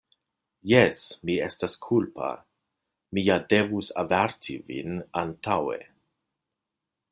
Jes, mi estas kulpa; mi ja devus averti vin antaŭe.